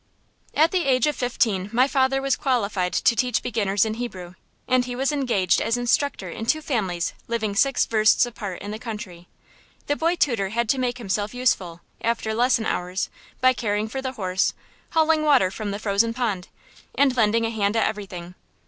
At the age of fifteen my father was qualified to teach beginners in Hebrew, and he was engaged as instructor in two families living six versts apart in the country. The boy tutor had to make himself useful, after lesson hours, by caring for the horse, hauling water from the frozen pond, and lending a hand at everything.